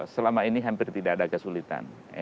selama ini hampir tidak ada kesulitan